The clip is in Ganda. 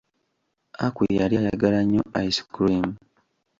Aku yali ayagala nnyo ice cream.